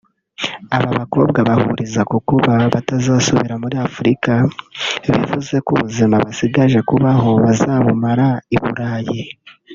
Aba bakobwa bahuriza kukuba batazasubira muri Afurika bivuze ko ubuzima basigaje kubaho bazabumara I Burayi